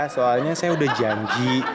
soalnya saya udah janji